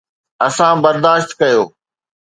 اسان برداشت ڪيو.